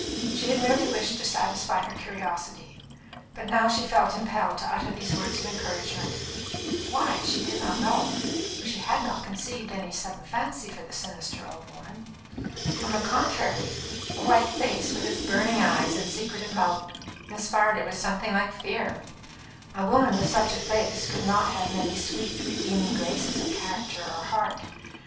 She had merely wished to satisfy her curiosity; but now she felt impelled to utter these words of encouragement why, she did not know, for she had not conceived any sudden fancy for the sinister old woman. On the contrary, the white face, with its burning eyes and secretive mouth, inspired her with something like fear. A woman with such a face could not have many sweet, redeeming graces of character or heart.